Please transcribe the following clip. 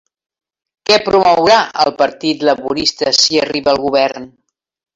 Què promourà el Partit Laborista si arriba al govern?